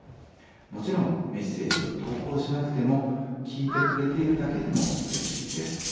もちろんメッセージを投稿しなくても聴いてくれているだけでもうれしいです。